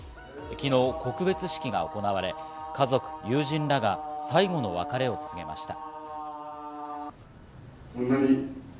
昨日、告別式が行われ、家族・友人らが最後の別れを告げました。